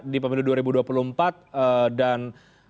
di pemilu dua ribu dua puluh empat dan